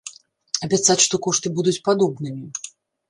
Абяцаць, што кошты будуць падобнымі.